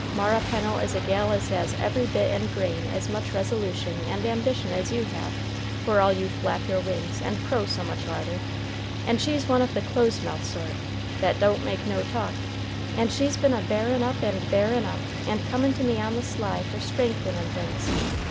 Mara Pennel is a gal as has every bit and grain as much resolution and ambition as you have, for all you flap your wings and crow so much louder, and she's one of the close mouthed sort, that don't make no talk, and she's been a bearin' up and bearin' up, and comin' to me on the sly for strengthenin' things.